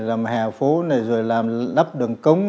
làm hẻ phố này rồi làm đắp đường cống